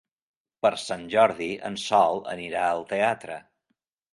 Per Sant Jordi en Sol anirà al teatre.